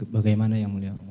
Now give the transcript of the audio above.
bagaimana yang mulia